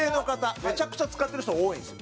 めちゃくちゃ使ってる人多いんですよ。